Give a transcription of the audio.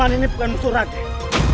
paman ini bukan musuh raden